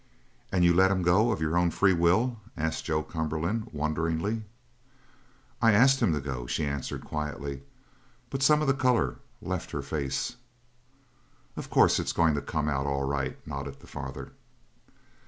"And you let him go of your own free will?" asked Joe Cumberland, wonderingly. "I asked him to go," she answered quietly, but some of the colour left her face. "Of course it's going to come out all right," nodded her father.